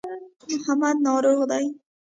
محمد ناروغه دی.